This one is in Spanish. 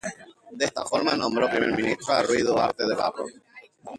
De esta forma, nombró primer ministro a Rui Duarte de Barros.